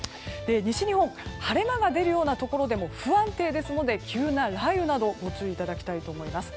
西日本晴れ間が出るようなところでも不安定ですので急な雷雨などご注意いただきたいと思います。